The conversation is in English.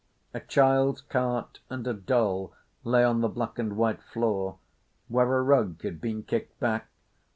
A child's cart and a doll lay on the black and white floor, where a rug had been kicked back.